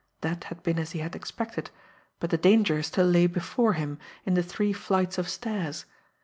That had been as he had expected, but the danger still lay before him in the three flights of stairs.